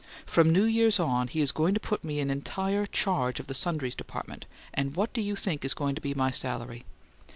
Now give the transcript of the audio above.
From New Years on he is going to put me in entire charge of the sundries dept. and what do you think is going to be my salary?